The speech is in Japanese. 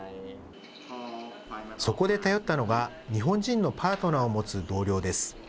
そこで頼ったのが、日本人のパートナーを持つ同僚です。